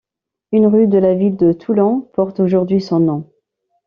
Une rue de la ville de Toulon porte aujourd'hui son nom.